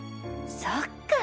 そっか。